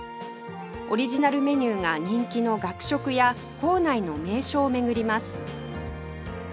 オリジナルメニューが人気の学食や校内の名所を巡ります